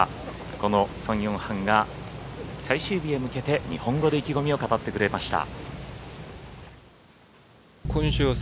このソン・ヨンハンが最終日へ向けて日本語で意気込みを語ってくれました。